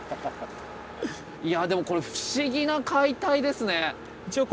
いやでもこれ不思議な解体ですね。